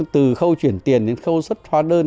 từ khâu chuyển tiền đến khâu xuất hóa đơn